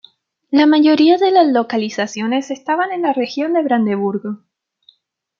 La mayoría de las localizaciones estaban en la región de Brandeburgo.